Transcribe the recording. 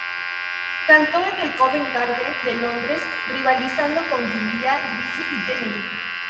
Cantó en el Covent Garden de Londres, rivalizando con Giulia Grisi y Jenny Lind.